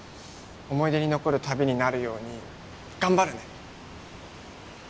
思い出に残る旅になるように頑張るね！